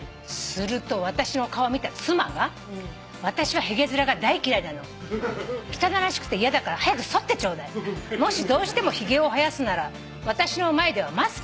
「すると私の顔を見た妻が『私はひげ面が大嫌いなの』『汚らしくて嫌だから早くそってちょうだい』『もしどうしてもひげを生やすなら私の前ではマスクをしてちょうだい。